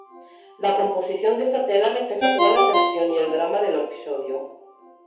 La composición de esta tela refleja toda la tensión y el drama del episodio.